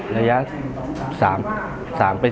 ระยะ๓ไป๔